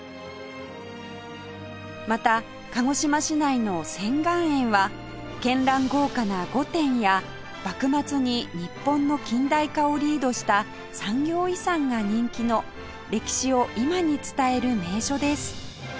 また鹿児島市内の仙巌園は絢爛豪華な御殿や幕末に日本の近代化をリードした産業遺産が人気の歴史を今に伝える名所です